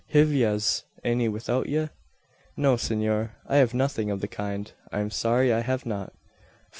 Hiv yez any about ye?" "No, senor. I have nothing of the kind. I am sorry I have not."